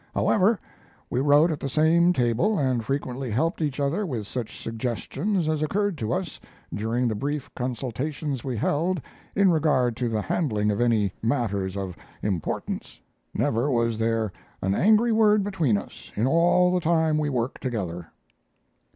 However, we wrote at the same table and frequently helped each other with such suggestions as occurred to us during the brief consultations we held in regard to the handling of any matters of importance. Never was there an angry word between us in all the time we worked together.